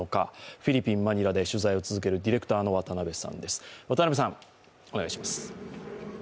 フィリピン・マニラで取材を続けるディレクターの渡部さんです。